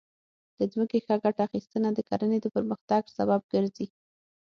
د ځمکې ښه ګټه اخیستنه د کرنې د پرمختګ سبب ګرځي.